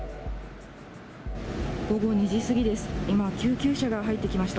午後２時過ぎです。